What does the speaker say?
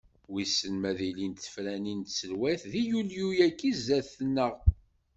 Wissen ma ad ilint tefranin n tselweyt di yulyu-agi zdat-neɣ.